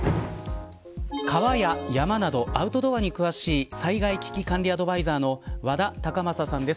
川や山などアウトドアに詳しい災害危機管理アドバイザーの和田隆昌さんです。